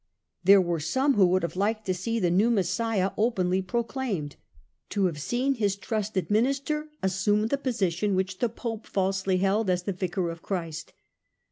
There were some who would have liked to see the new Messiah openly proclaimed, to have seen his trusted minister assume the position which the Pope falsely held as the Vicar of Christ.